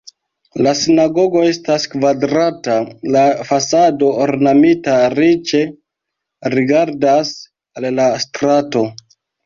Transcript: La sinagogo estas kvadrata, la fasado ornamita riĉe rigardas al la strato.